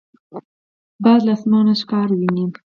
باز له اسمانه ښکار ویني.